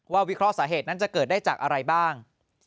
วิเคราะห์สาเหตุนั้นจะเกิดได้จากอะไรบ้าง